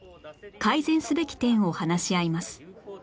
改善すべき点を話し合います